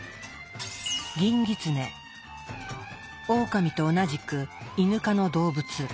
オオカミと同じくイヌ科の動物。